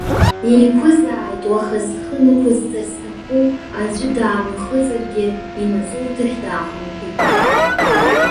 Еиқәызааит, уаха зхы нықәызҵар зҭахыу аӡәы даамҩахыҵыргьы, имаҵурҭахь даахынҳәит.